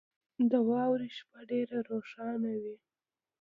• د واورې شپه ډېره روښانه وي.